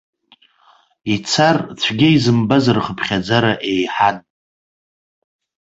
Ицар цәгьа изымбаз рхыԥхьаӡара еиҳан.